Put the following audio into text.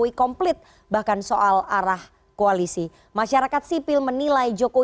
oke ada tenaga alih utama ksp johannes joko